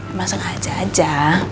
emang sengaja aja